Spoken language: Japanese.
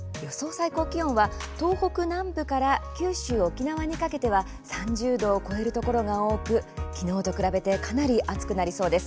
最高気温は東北南部から九州、沖縄にかけては３０度を超えるところが多く昨日と比べてかなり暑くなりそうです。